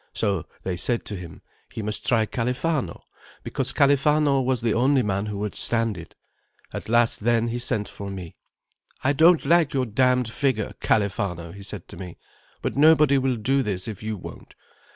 So they said to him, he must try Califano, because Califano was the only man who would stand it. At last then he sent for me. 'I don't like your damned figure, Califano,' he said to me, 'but nobody will do this if you won't.